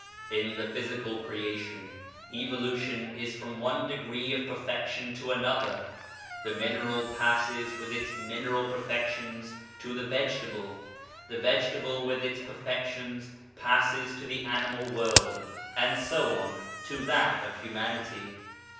In the Physical creation, Evolution is from one degree of perfection to another. The mineral passes with its mineral perfections to the vegetable ; the vegetable, with its perfections, passes to the animal world, and so on to that of Humanity.